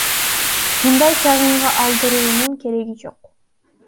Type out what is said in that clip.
Мындай чагымга алдыруунун кереги жок.